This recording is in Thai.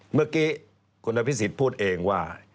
เมื่อกี้คุณอภิษฎพูดเองว่า